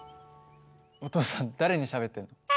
お父さん誰にしゃべってるの？